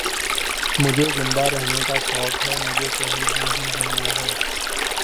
مجھے زندہ رہنے کا شوق ہے مجھے شہید نہیں ہونا ہے